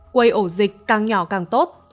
quay ổ dịch càng nhỏ càng tốt